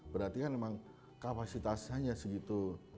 berarti kan memang kapasitasnya hanya segitu